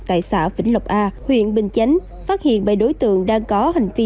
tại xã vĩnh lộc a huyện bình chánh phát hiện bảy đối tượng đang có hành vi